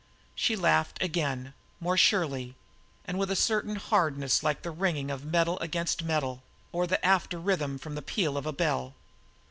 She laughed again, more surely, and with a certain hardness like the ringing of metal against metal, or the after rhythm from the peal of a bell.